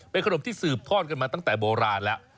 เป็นขนมที่สืบทอดกันมาตั้งแต่โบราณแล้ว